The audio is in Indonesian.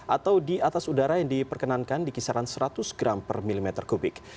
atau di atas udara yang diperkenankan di kisaran seratus gram per mm kubik